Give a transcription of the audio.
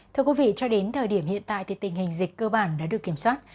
thưa quý vị cho đến thời điểm hiện tại thì tình hình dịch cơ bản đã được kiểm soát